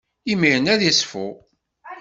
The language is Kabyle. Imiren ad iṣfu.